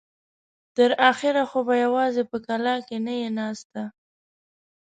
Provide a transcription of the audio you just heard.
تر اخره خو به يواځې په کلاکې نه يې ناسته.